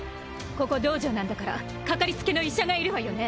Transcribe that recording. ここ道場なんだからかかりつけの医者がいるわよね？